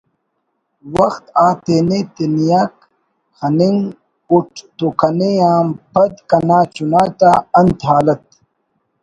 وخت آ تینے تنیا خنگ اوٹ تو کنے آن پد کنا چنا تا انت حالت